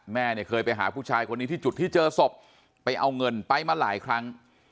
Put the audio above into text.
แม่เนี่ยเคยไปหาผู้ชายคนนี้ที่จุดที่เจอศพไปเอาเงินไปมาหลายครั้ง